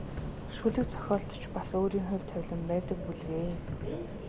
Шүлэг зохиолд ч бас өөрийн хувь тавилан байдаг бүлгээ.